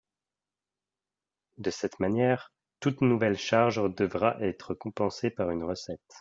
De cette manière, toute nouvelle charge devra être compensée par une recette.